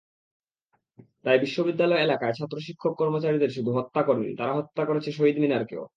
তাই বিশ্ববিদ্যালয় এলাকায় ছাত্র-শিক্ষক-কর্মচারীদের শুধু হত্যা করেনি, তারা হত্যা করেছে শহীদ মিনারকেও।